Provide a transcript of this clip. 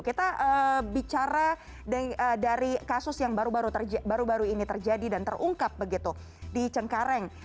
kita bicara dari kasus yang baru baru ini terjadi dan terungkap begitu di cengkareng